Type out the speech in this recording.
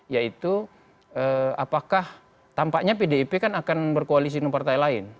yaitu apakah tampaknya pdip kan akan berkoalisi dengan partai lain